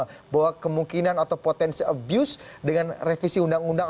bahwa kemungkinan atau potensi abuse dengan revisi undang undang